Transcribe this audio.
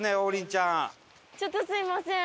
ちょっとすみません。